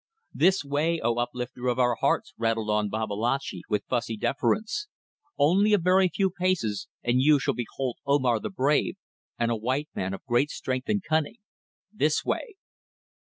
"This way, O Uplifter of our hearts!" rattled on Babalatchi, with fussy deference. "Only a very few paces and you shall behold Omar the brave, and a white man of great strength and cunning. This way."